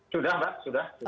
sudah mbak sudah